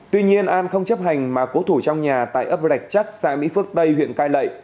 tuy nhiên an không chấp hành mà cố thủ trong nhà tại ấp rạch chắc xã mỹ phước tây huyện cai lệ